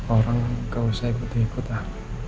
orang gak usah ikut ikut lah